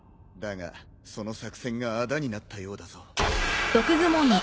だがその作戦があだになったようだぞ。